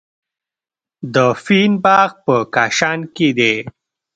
د فین باغ په کاشان کې دی.